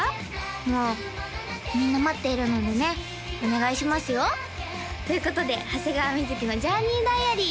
もうみんな待っているのでねお願いしますよということで長谷川瑞のＪｏｕｒｎｅｙＤｉａｒｙ